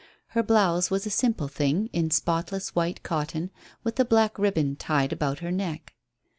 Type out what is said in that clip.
Her blouse was a simple thing in spotless white cotton, with a black ribbon tied about her neck.